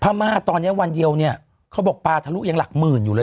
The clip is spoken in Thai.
มาตอนเนี้ยวันเดียวเนี่ยเขาบอกปลาทะลุยังหลักหมื่นอยู่เลย